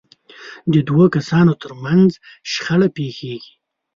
د دوو کسانو ترمنځ شخړه پېښېږي.